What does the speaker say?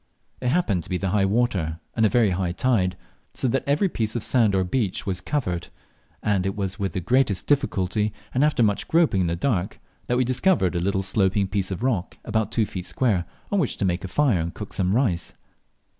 It happened to be high water, and a very high tide, so that every piece of sand or beach was covered, and it was with the greatest difficulty, and after much groping in the dark, that we discovered a little sloping piece of rock about two feet square on which to make a fire and cook some rice.